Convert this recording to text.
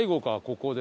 ここで。